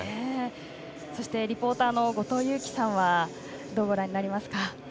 そしてリポーターの後藤佑季さんはどうご覧になりますか。